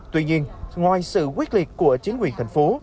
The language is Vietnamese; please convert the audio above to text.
tuy nhiên ngoài sự quyết liệt của chính quyền thành phố